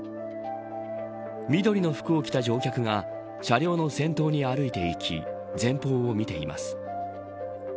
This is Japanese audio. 緑の服を着た乗客が車両の先頭に歩いて行き前方を見ています。